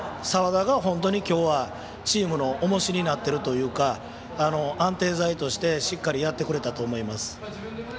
澤田が本当にチームのおもしになっているというか安定剤として、しっかりやってくれたと思います。